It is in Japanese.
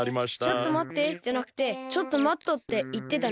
「ちょっと待って」じゃなくて「ちょっと待っと」っていってたね。